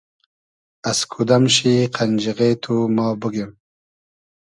از کودئم شی قئنجیغې تو ما بوگیم